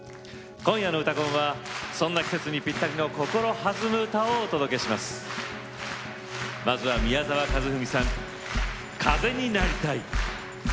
今夜の「うたコン」はそんな季節にぴったりの心弾む歌をお届けします。